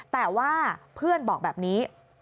แต่ว่าเพื่อนบอกแบบนี้